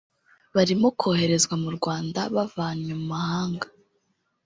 barimo koherezwa mu Rwanda bavanywe mu mahanga